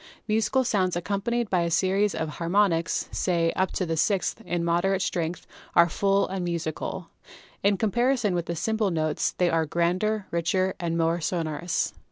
Musical sounds accompanied by a series of har monics, say up to the sixth, in moderate strength are full and musical. In comparison with simple tones they are grander, richer and more sonorous.